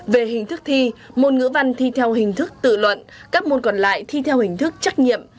về hình thức thi môn ngữ văn thi theo hình thức tự luận các môn còn lại thi theo hình thức trách nhiệm